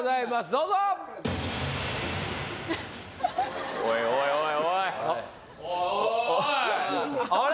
どうぞふふっおいおいおいおいおーいあれ？